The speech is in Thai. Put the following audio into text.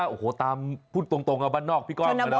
โอ้โฮตามพูดตรงบ้านนอกพี่ก้องเหมือนกันเนอะ